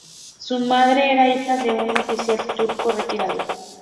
Su madre era la hija de un oficial turco retirado.